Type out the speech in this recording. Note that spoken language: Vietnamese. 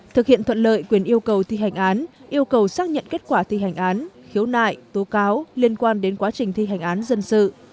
thực hiện thuận lợi quyền yêu cầu thi hành án yêu cầu xác nhận kết quả thi hành án khiếu nại tố cáo liên quan đến quá trình thi hành án dân sự